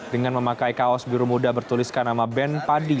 dengan memakai kaos biru muda bertuliskan nama band padi